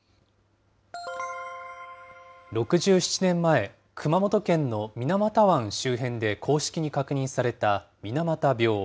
６７年前、熊本県の水俣湾周辺で公式に確認された水俣病。